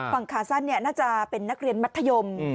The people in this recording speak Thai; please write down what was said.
ฝั่งขาสั้นน่าจะเป็นนักเรียนมัธยม